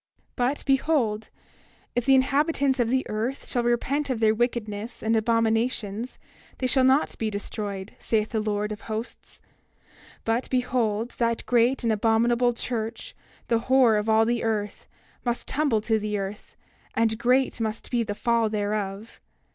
28:17 But behold, if the inhabitants of the earth shall repent of their wickedness and abominations they shall not be destroyed, saith the Lord of Hosts. 28:18 But behold, that great and abominable church, the whore of all the earth, must tumble to the earth, and great must be the fall thereof.